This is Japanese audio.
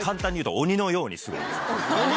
鬼のようにすごい。